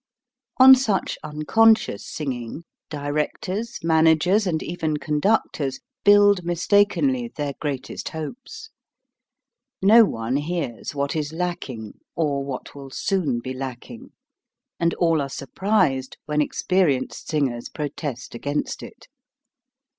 On such "unconscious singing" directors, managers, and even conductors, build mis takenly their greatest hopes. No one hears what is lacking, or what will soon be lacking, and all are surprised when experienced sing ers protest against it.